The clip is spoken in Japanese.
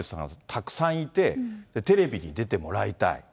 たくさんいて、テレビに出てもらいたい。